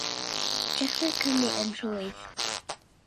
Trechwyd Cymru yn rhwydd.